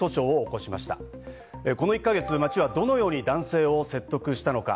この１か月、町はどのように男性を説得したのか。